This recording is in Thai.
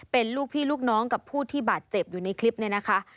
เป็นลูกพี่ลูกน้องกับผู้ที่บาดเจ็บอยู่ในคลิปนี้นะคะ